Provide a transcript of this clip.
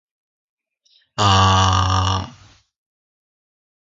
As a senior officer Austen served as Commander-in-Chief, North America and West Indies Station.